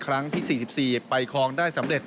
ครั้งที่๔๔ไปคลองได้สำเร็จ